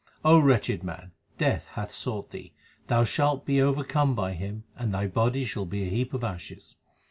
O wretched man, Death hath sought thee ; thou shalt be overcome by him, and thy body shall be a heap of ashes.